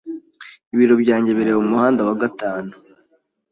Ibiro byanjye bireba Umuhanda wa gatanu.